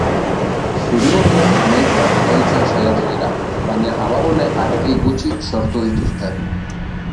Zuri-gorriak emaitza iraultzen saiatu dira, baina abagune argi gutxi sortu dituzte.